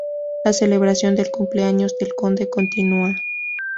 La celebración del cumpleaños del conde continúa.